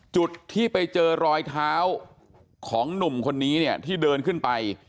จุดที่ไปเจอรอยเท้าของหนุ่มคนนี้เนี่ยที่เดินขึ้นไป